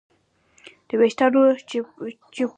د وېښتیانو چپوالی خراب تاثیر لري.